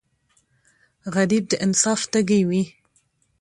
غریب د انصاف تږی وي